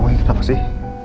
kamu ini kenapa sih